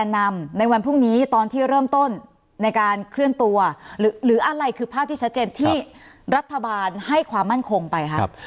นำในวันพรุ่งนี้ตอนที่เริ่มต้นในการเคลื่อนตัวหรืออะไรคือภาพที่ชัดเจนที่รัฐบาลให้ความมั่นคงไปครับ